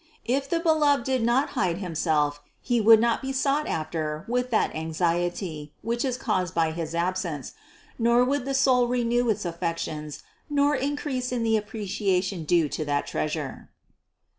If the Beloved did not hide Himself, He would not be sought after with that anxiety which is caused by his absence, nor would the soul renew its affections, nor increase in the apprecia tion due to that Treasure."